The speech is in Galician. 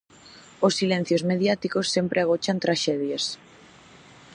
Os silencios mediáticos sempre agochan traxedias.